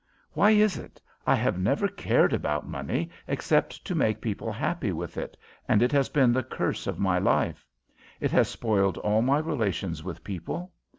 "Why is it? I have never cared about money, except to make people happy with it, and it has been the curse of my life. It has spoiled all my relations with people.